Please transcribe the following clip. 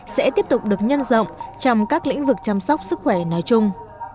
sẽ tiếp tục được nhân rộng trong các lĩnh vực chăm sóc sức khỏe nói chung